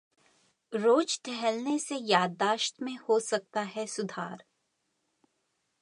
रोज टहलने से याददाश्त में हो सकता है सुधार